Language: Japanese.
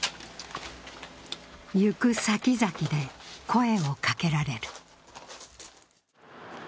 行く先々で声をかけられる。